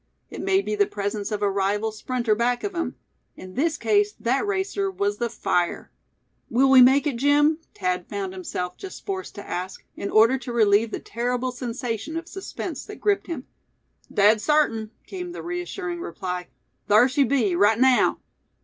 It may be the presence of a rival sprinter back of him; in this case that racer was the fire. "Will we make it, Jim?" Thad found himself just forced to ask, in order to relieve the terrible sensation of suspense that gripped him. "Dead sartin!" came the reassuring reply; "thar she be, right naow!"